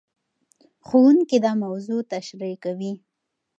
ښوونکي دا موضوع تشريح کوي.